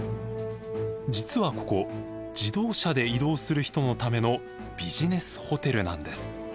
実はここ自動車で移動する人のためのビジネスホテルなんです。